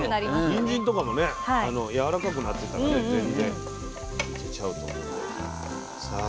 にんじんとかもねやわらかくなってたら全然いけちゃうと思う。